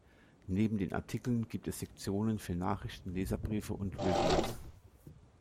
Neben den Artikeln gibt es Sektionen für Nachrichten, Leserbriefe und Reviews.